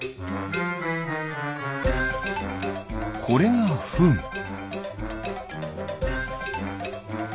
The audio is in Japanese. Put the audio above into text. これがフン。